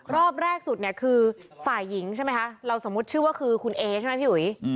รอบแรกสุดเนี่ยคือฝ่ายหญิงใช่ไหมคะเราสมมุติชื่อว่าคือคุณเอใช่ไหมพี่อุ๋ย